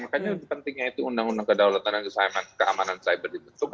makanya pentingnya itu undang undang kedaulatan dan keamanan cyber dibentuk